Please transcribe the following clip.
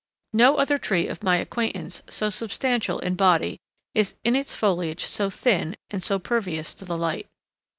No other tree of my acquaintance, so substantial in body, is in its foliage so thin and so pervious to the light.